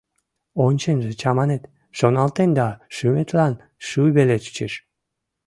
Онченже чаманет, шоналтен да шӱметлан шуй веле чучеш.